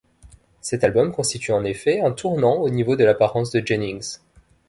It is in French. Cet album constitue en effet un tournant au niveau de l'apparence de Jennings.